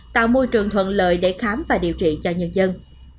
tạo môi trường thuận lợi để khám và điều trị cho nhân dân